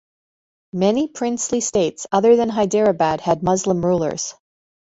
Many princely states other than Hyderabad had Muslim rulers.